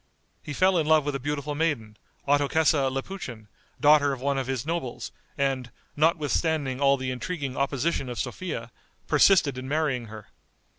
He fell in love with a beautiful maiden, Ottokesa Lapuchin, daughter of one of his nobles, and, notwithstanding all the intriguing opposition of Sophia, persisted in marrying her.